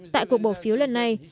tại cuộc bỏ phiếu lần này